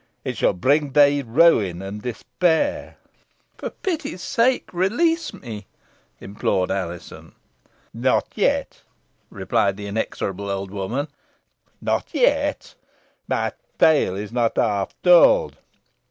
It shall bring thee ruin and despair." "For pity's sake, release me," implored Alizon. "Not yet," replied the inexorable old woman, "not yet. My tale is not half told.